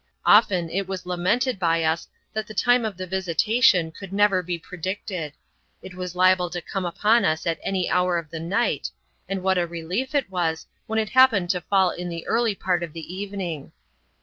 Often it was lamented by us that the time of the visitation could never be predicted ; it was liable to come upon us at any hour of the night, and what a relief it was, when it happened to fall in the early part of the evening.